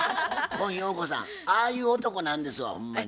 今陽子さんああいう男なんですわほんまに。